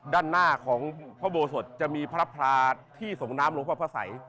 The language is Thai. ด้านหน้าของพระโบสถจะมีพระพลาที่ส่งน้ำหลวงพ่อพระสัย